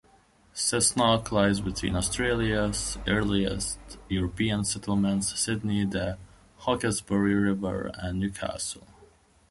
Cessnock lies between Australia's earliest European settlements - Sydney, the Hawkesbury River and Newcastle.